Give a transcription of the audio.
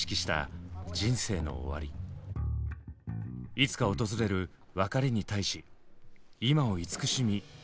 いつか訪れる別れに対し今を慈しみ生きる。